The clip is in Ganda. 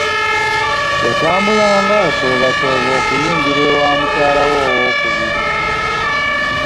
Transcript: Yatambulanga asoobasooba okuyingira e wa mukyalawe owokubiri.